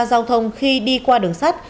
giao thông khi đi qua đường sắt